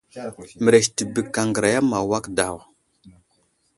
Mərəz təbək aŋgəraya ma awak daw.